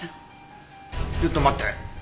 ちょっと待って。